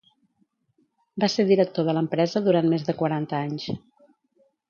Va ser director de l'empresa durant més de quaranta anys.